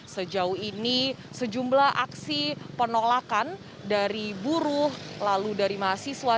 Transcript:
sejauh ini sejumlah aksi penolakan dari buruh lalu dari mahasiswa